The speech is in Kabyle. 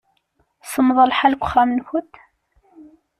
Semmeḍ lḥal deg uxxam-nkent?